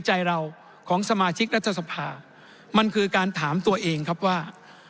ใจเราของสมาชิกรัฐสภามันคือการถามตัวเองครับว่า